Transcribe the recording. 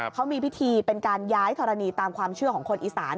เขามีพิธีเป็นการย้ายธรณีตามความเชื่อของคนอีสาน